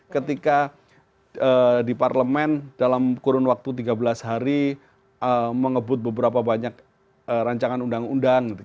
ketika di parlemen dalam kurun waktu tiga belas hari mengebut beberapa banyak rancangan undang undang